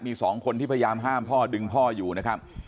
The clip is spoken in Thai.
มีสองคนที่พยายามห้ามพ่อดึงพ่ออยู่นะครับ